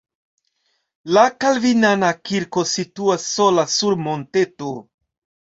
La kalvinana kirko situas sola sur monteto.